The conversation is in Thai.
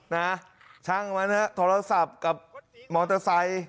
นะฮะช่างกันมาเนอะโทรศัพท์กับมอเตอร์ไซค์